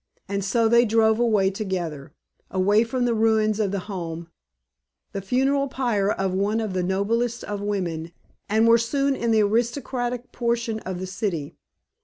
And so they drove away together away from the ruins of the Home the funeral pyre of one of the noblest of women and were soon in the aristocratic portion of the city.